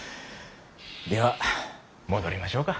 では戻りましょうか。